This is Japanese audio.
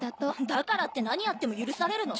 「だからって何やっても許されるの？」。